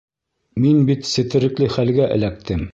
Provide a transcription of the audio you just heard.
Мин бит сетерекле хәлгә эләктем...